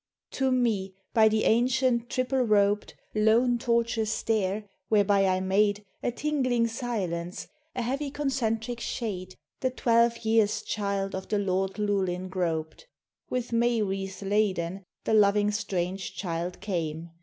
To me, by the ancient, triple roped, Lone, tortuous stair, whereby I made A tingling silence, a heavy concentric shade, The twelve years' child of the Lord Llewellyn groped: With May wreaths laden, the loving strange child came!